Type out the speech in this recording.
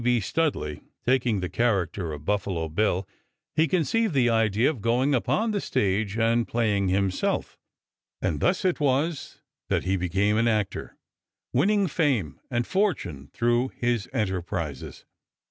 B. Studley taking the character of Buffalo Bill he conceived the idea of going upon the stage and playing himself, and thus it was that he became an actor, winning fame and fortune through his enterprises.